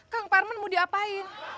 kang parman mau diapain